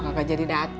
ya sudah ada informasi